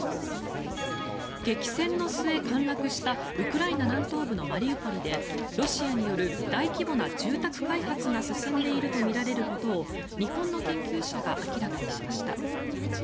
激戦の末、陥落したウクライナ南東部のマリウポリでロシアによる大規模な住宅開発が進んでいるとみられることを日本の研究者が明らかにしました。